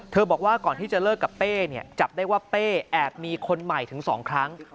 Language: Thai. บอกว่าก่อนที่จะเลิกกับเป้เนี่ยจับได้ว่าเป้แอบมีคนใหม่ถึง๒ครั้ง